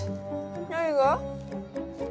何が？